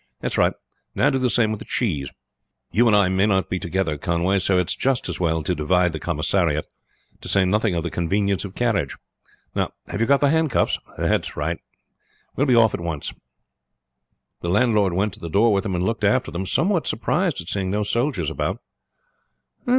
That's right; now do the same with the cheese. You and I may not be together, Conway, so it's just as well to divide the commissariat; to say nothing of the convenience of carriage. Now, have you got the handcuffs? That's right, we will be off at once." The landlord went to the door with them and looked after them, somewhat surprised at seeing no soldiers about.